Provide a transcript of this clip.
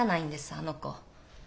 あの子。